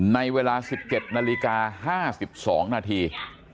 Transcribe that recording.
ในเวลา๑๗นาฬิกา๕๒นาที